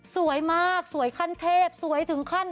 สวยมากสวยขั้นเทพสวยถึงขั้น